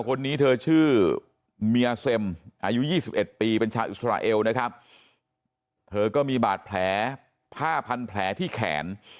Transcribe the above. คนนี้เธอชื่อเมียเซ็มอายุ๒๑ปีเป็นชาวอิสราเอลนะครับเธอก็มีบาดแผลผ้าพันแผลที่แขน